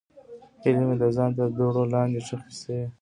هیلې مې د زمان تر دوړو لاندې ښخې شوې.